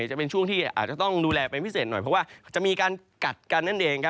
จะเป็นช่วงที่อาจจะต้องดูแลเป็นพิเศษหน่อยเพราะว่าจะมีการกัดกันนั่นเอง